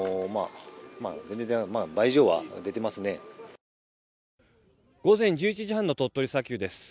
観光地では午前１１時半の鳥取砂丘です。